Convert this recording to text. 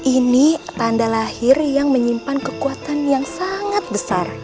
ini tanda lahir yang menyimpan kekuatan yang sangat besar